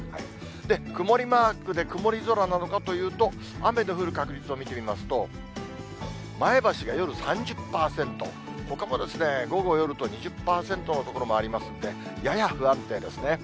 曇りマークで、曇り空なのかというと、雨の降る確率を見てみますと、前橋が夜３０％、ほかも午後、夜と２０％の所もありますんで、やや不安定ですね。